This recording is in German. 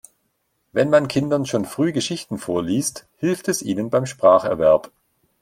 Wenn man Kindern schon früh Geschichten vorliest, hilft es ihnen beim Spracherwerb.